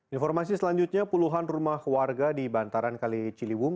informasi selanjutnya puluhan rumah warga di bantaran kali ciliwung